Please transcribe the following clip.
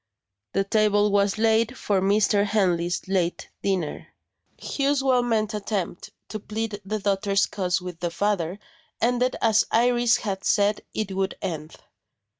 The table was laid for Mr. Henley's late dinner. Hugh's well meant attempt to plead the daughter's cause with the father ended as Iris had said it would end.